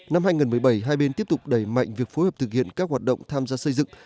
năm hai nghìn một mươi bảy hai bên tiếp tục đẩy mạnh việc phối hợp thực hiện các hoạt động tham gia xây dựng